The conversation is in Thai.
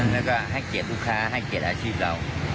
แล้วก็ให้เกียรติลูกค้าให้เกียรติอาชีพเรา